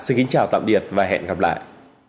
xin chào tạm biệt và hẹn gặp lại